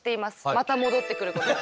また戻ってくることを。